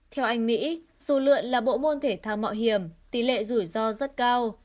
theo anh mỹ dù lượn là bộ môn thể thao mạo hiểm tỷ lệ rủi ro rất cao